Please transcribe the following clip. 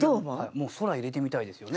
もう「空」入れてみたいですよね。